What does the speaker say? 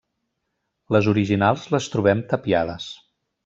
Les originals les trobem tapiades.